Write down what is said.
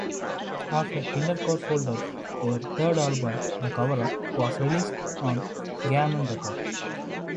After Kindercore folded, their third album, "The Cover Up", was released on Gammon Records.